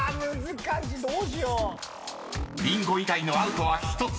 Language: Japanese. ［りんご以外のアウトは１つ］